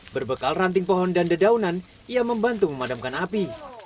berbekal ranting pohon dan dedaunan ia membantu memadamkan api